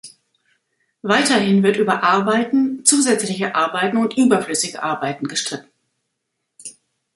Weiterhin wird über Arbeiten, zusätzliche Arbeiten und überflüssige Arbeiten gestritten.